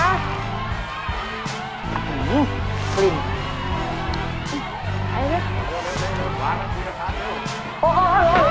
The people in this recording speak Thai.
โอ้โหโหโอ้โหโห